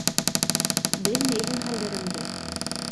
Белмәйһең хәлдәремде.